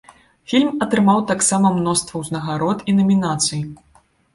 Фільм атрымаў таксама мноства ўзнагарод і намінацый.